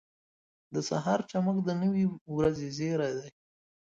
• د سهار چمک د نوې ورځې زیری دی.